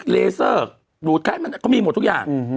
เลเซอร์ดูดไขมันเขามีหมดทุกอย่าง